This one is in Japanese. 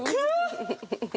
フフフフ。